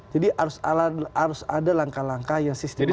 jadi harus ada langkah langkah yang sistematis